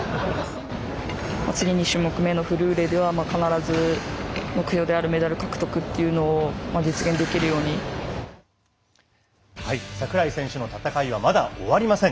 次、２種目目のフルーレでは必ず目標であるメダル獲得というのを櫻井選手の戦いはまだ終わりません。